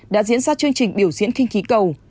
đã diễn ra chương trình biểu diễn khinh khí cầu